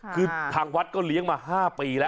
คือทางวัดก็เลี้ยงมา๕ปีแล้ว